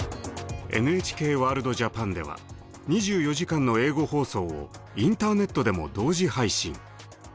「ＮＨＫワールドＪＡＰＡＮ」では２４時間の英語放送をインターネットでも同時配信。